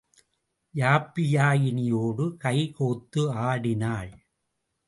யாப்பியாயினியோடு கை கோத்து ஆடினாள்.